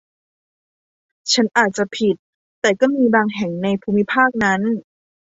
ฉันอาจจะผิด แต่ก็มีบางแห่งในภูมิภาคนั้น